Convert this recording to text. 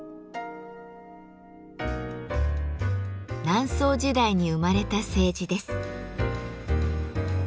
南宋時代に生まれた青磁です。